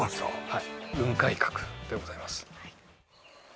はい雲海閣でございます